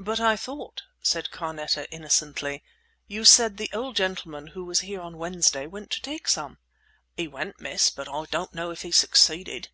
"But I thought," said Carneta, innocently, "you said the old gentleman who was here on Wednesday went to take some?" "He went, yes, miss; but I don't know if he succeeded."